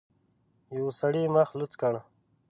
يوه سړي مخ لوڅ کړ.